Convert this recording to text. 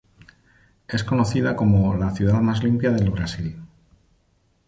Es conocida como "la ciudad más limpia del Brasil".